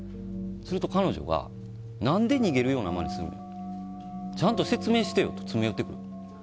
すると彼女が何で逃げるようなまねするのちゃんと説明してよと詰め寄ってくると。